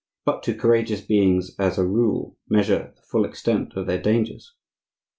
But do courageous beings, as a rule, measure the full extent of their dangers?